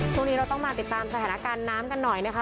ช่วงนี้เราต้องมาติดตามสถานการณ์น้ำกันหน่อยนะคะ